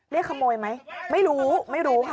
เรียกขโมยไหมไม่รู้ไม่รู้ค่ะ